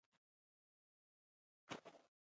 لومړی څپرکی په دې برخه کې عمومي بحث کوي.